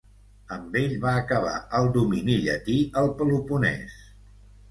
Amb ell, va acabar el domini llatí al Peloponès.